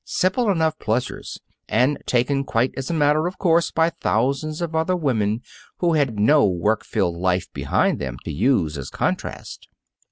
Simple enough pleasures, and taken quite as a matter of course by thousands of other women who had no work filled life behind them to use as contrast.